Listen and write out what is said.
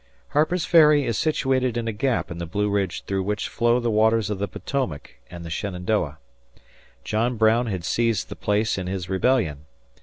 Harper's Ferry is situated in a gap in the Blue Ridge through which flow the waters of the Potomac anal the Shenandoah. John Brown had seized the place in his rebellion.